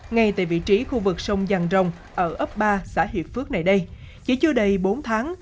ngay tại vị trí khu vực sông giàng rồng ở ấp ba xã hiệp phước này đây chỉ chưa đầy bốn tháng